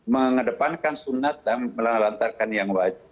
mengedepankan sunat dan menelantarkan yang wajib